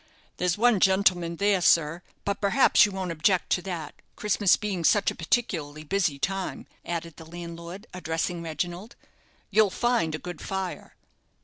"There's one gentleman there, sir; but perhaps you won't object to that, Christmas being such a particularly busy time," added the landlord, addressing Reginald. "You'll find a good fire."